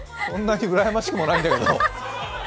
そんなにうらやましくないんだけど。